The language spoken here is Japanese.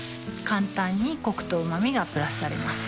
簡単にコクとうま味がプラスされます